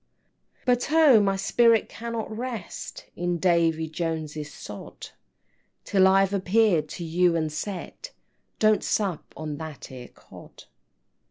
IX. "But oh, my spirit cannot rest In Davy Joneses sod, Till I've appeared to you and said Don't sup on that 'ere Cod!"